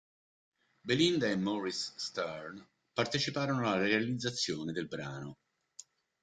Belinda e Maurice Stern parteciparono alla realizzazione del brano.